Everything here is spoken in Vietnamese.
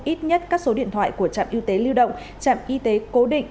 ít nhất các số điện thoại của trạm y tế lưu động trạm y tế cố định